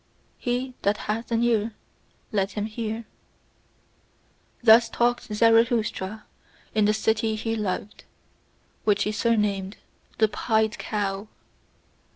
He that hath an ear let him hear. Thus talked Zarathustra in the city he loved, which is surnamed "The Pied Cow."